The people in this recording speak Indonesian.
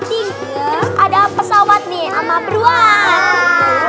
ting ada pesawat nih sama peruan